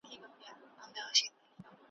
دمستانو په جامونو `